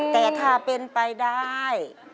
แต่ถ้าเป็นไปได้